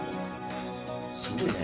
・すごいね。